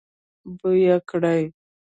بوی يې کړی.